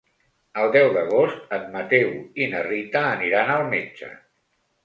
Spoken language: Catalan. El deu d'agost en Mateu i na Rita aniran al metge.